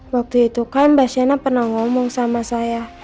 waktu itu kan mbak shana pernah ngomong sama saya